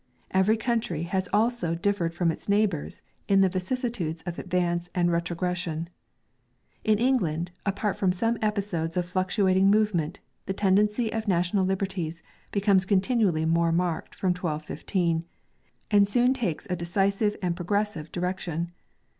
Every country has also differed from its neighbours in the vicissitudes of advance and retrogression. In England, apart from some episodes of fluctuating movement, the tendency of national liberties becomes continually more marked from 1215, and soon takes a decisive and progressive direction.